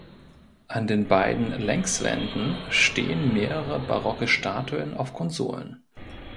An den beiden Längswänden stehen mehrere barocke Statuen auf Konsolen.